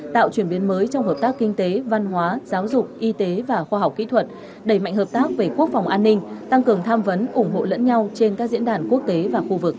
tạo chuyển biến mới trong hợp tác kinh tế văn hóa giáo dục y tế và khoa học kỹ thuật đẩy mạnh hợp tác về quốc phòng an ninh tăng cường tham vấn ủng hộ lẫn nhau trên các diễn đàn quốc tế và khu vực